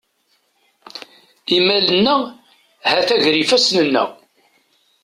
Imal-nneɣ ha-t-a ger ifassen-nneɣ.